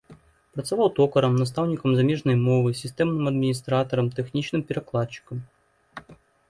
Працаваў токарам, настаўнікам замежнай мовы, сістэмным адміністратарам, тэхнічным перакладчыкам.